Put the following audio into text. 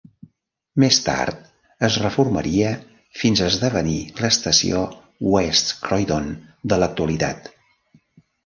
Més tard es reformaria fins esdevenir l"estació West Croydon de l"actualitat.